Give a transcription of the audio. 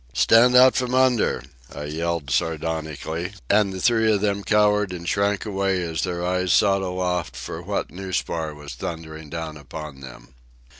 "Stand out from under!" I yelled sardonically; and the three of them cowered and shrank away as their eyes sought aloft for what new spar was thundering down upon them.